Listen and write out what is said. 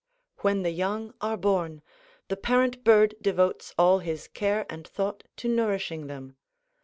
When the young are born, the parent bird devotes all his care and thought to nourishing them.